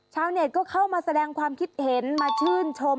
ชาวเน็ตก็เข้ามาแสดงความคิดเห็นมาชื่นชม